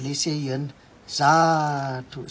สวัสดีครับทุกคน